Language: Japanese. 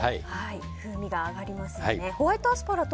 風味が上がります。